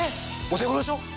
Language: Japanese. お手頃でしょ？